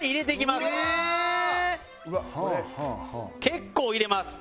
結構入れます。